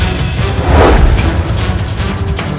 ini pencet betah